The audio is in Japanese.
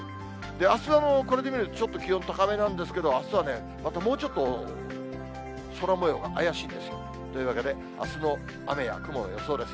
あすはこれで見ると、ちょっと気温高めなんですけど、あすはね、またもうちょっと空もようが怪しいんですよ。というわけであすの雨や雲の予想です。